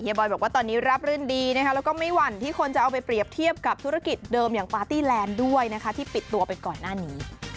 บอยบอกว่าตอนนี้รับรื่นดีนะคะแล้วก็ไม่หวั่นที่คนจะเอาไปเปรียบเทียบกับธุรกิจเดิมอย่างปาร์ตี้แลนด์ด้วยนะคะที่ปิดตัวไปก่อนหน้านี้